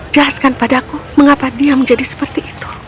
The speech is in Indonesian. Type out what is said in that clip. jelaskan padaku mengapa dia menjadi seperti itu